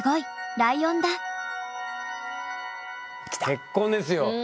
結婚ですよ。